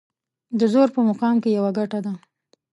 د زور په مقام کې يوه ګټه ده.